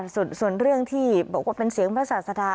ส่วนเรื่องที่บอกว่าเป็นเสียงพระศาสดา